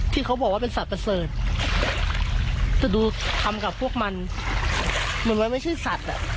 ที่เขาบอกว่าเป็นสัตว์ประเสริฐจะดูทำกับพวกมันเหมือนมันไม่ใช่สัตว์อ่ะ